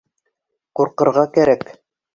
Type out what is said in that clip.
— Ҡурҡырға кәрәк.